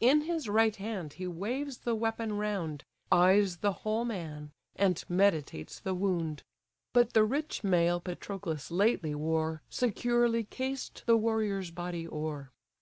In his right hand he waves the weapon round, Eyes the whole man, and meditates the wound; But the rich mail Patroclus lately wore Securely cased the warrior's body o'er.